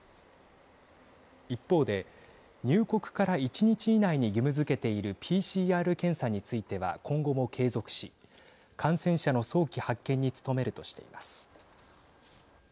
一方で入国から１日以内に義務づけているＰＣＲ検査については今後も継続し感染者の早期発見に努めるとしています。